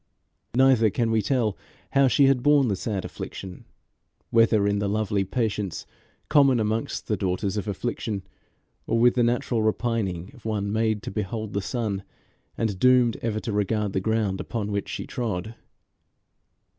Neither can we tell how she had borne the sad affliction; whether in the lovely patience common amongst the daughters of affliction, or with the natural repining of one made to behold the sun, and doomed ever to regard the ground upon which she trod.